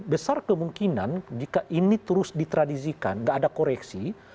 besar kemungkinan jika ini terus ditradisikan gak ada koreksi